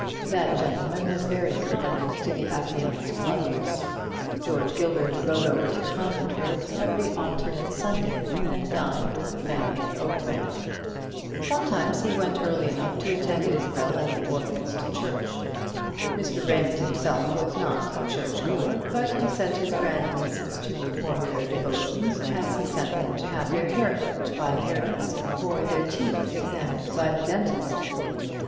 That gentleman was very kind to the affianced lovers. George Gilbert rode over to Conventford every alternate Sunday, and dined with the family at Oakbank. Sometimes he went early enough to attend Isabel and the orphans to church. Mr. Raymond himself was not a church goer, but he sent his grand nieces to perform their devotions, as he sent them to have their hair clipped by the hairdresser, or their teeth examined by the dentist.